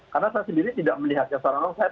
karena saya sendiri tidak melihatnya secara langsung